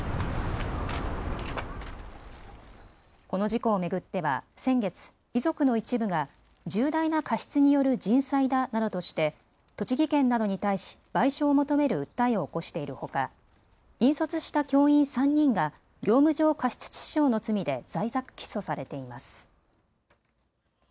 この事故を巡っては先月、遺族の一部が重大な過失による人災だなどとして栃木県などに対し賠償を求める訴えを起こしているほか引率した教員３人が業務上過失致死傷の罪で在宅起訴されています。